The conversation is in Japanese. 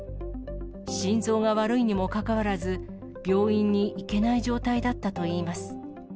心臓が悪いにもかかわらず、病院に行けない状態だったといいます。